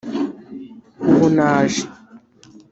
ubu naje